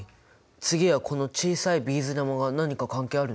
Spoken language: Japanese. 次はこの小さいビーズ玉が何か関係あるの？